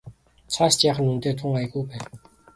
Цаашид яах нь үнэндээ тун аягүй байв.